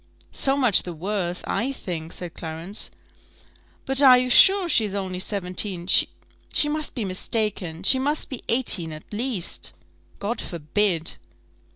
"So much the worse, I think," said Clarence. "But are you sure she's only seventeen? she must be mistaken she must be eighteen, at least." "God forbid!"